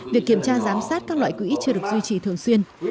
việc kiểm tra giám sát các loại quỹ chưa được duy trì thường xuyên